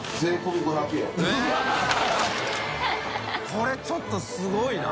海ちょっとすごいな。